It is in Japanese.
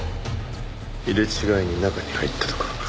入れ違いに中に入ったとか？